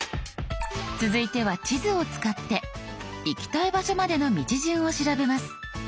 続いては地図を使って行きたい場所までの道順を調べます。